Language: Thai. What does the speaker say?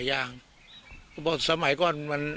ฐานพระพุทธรูปทองคำ